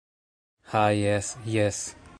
Ha jes... jes...